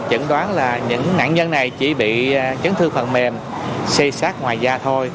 đã đảm bảo rằng là những nạn nhân này chỉ bị chấn thương phần mềm xây xác ngoài da thôi